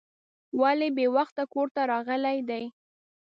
ولې بې وخته کور ته راغلی دی.